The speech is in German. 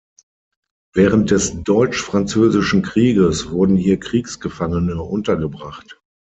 Während des Deutsch-Französischen Krieges wurden hier Kriegsgefangene untergebracht.